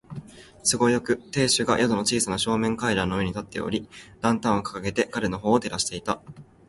都合よく、亭主が宿の小さな正面階段の上に立っており、ランタンをかかげて彼のほうを照らしていた。